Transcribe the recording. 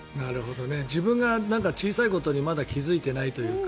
自分が小さいことにまだ気付いていないというか。